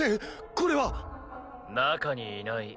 これは中にいない